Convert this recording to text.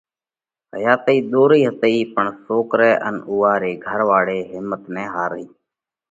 حياتئِي ۮورئِي هتئِي پڻ سوڪرئہ ان اُوئا رِي گھر واۯِي هيمت نہ هارئِي۔